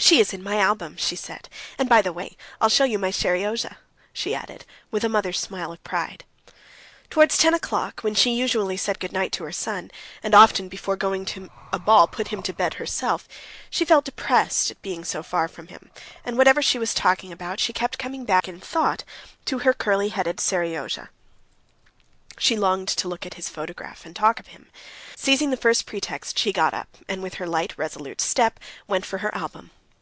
"She is in my album," she said; "and, by the way, I'll show you my Seryozha," she added, with a mother's smile of pride. Towards ten o'clock, when she usually said good night to her son, and often before going to a ball put him to bed herself, she felt depressed at being so far from him; and whatever she was talking about, she kept coming back in thought to her curly headed Seryozha. She longed to look at his photograph and talk of him. Seizing the first pretext, she got up, and with her light, resolute step went for her album.